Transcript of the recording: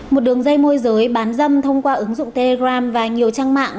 một đường dây môi giới bán dâm thông qua ứng dụng telegram và nhiều trang mạng